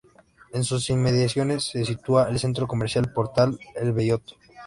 En sus inmediaciones se sitúa el centro comercial Portal El Belloto.